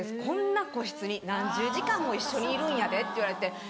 「こんな個室に何十時間も一緒にいるんやで」って言われて。